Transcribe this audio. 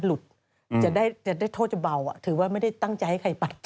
จะหลุดจะได้โทษเบาถือว่าไม่ได้ตั้งใจให้ใครปัด